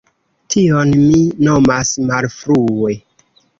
Tion mi nomas malfrue.